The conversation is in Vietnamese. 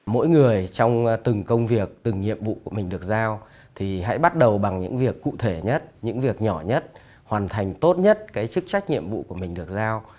mỗi người trong từng công việc từng nhiệm vụ của mình được giao thì hãy bắt đầu bằng những việc cụ thể nhất những việc nhỏ nhất hoàn thành tốt nhất cái chức trách nhiệm vụ của mình được giao